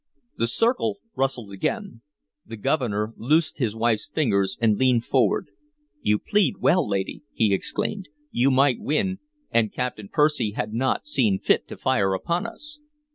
The circle rustled again. The Governor loosed his wife's fingers and leaned forward. "You plead well, lady!" he exclaimed. "You might win, an Captain Percy had not seen fit to fire upon us."